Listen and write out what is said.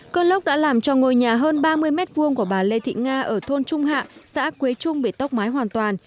cơn lốc đã làm cho ngôi nhà hơn ba mươi m hai của bà lê thị nga ở thôn trung hạ xã quế trung bị tốc mái hoàn toàn